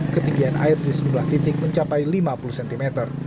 ketinggian air di sebelah titik mencapai lima puluh cm